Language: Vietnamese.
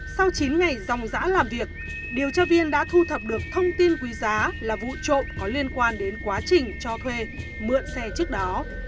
sau chín ngày dòng dã làm việc điều tra viên đã thu thập được thông tin quý giá là vụ trộm có liên quan đến quá trình cho thuê mượn xe trước đó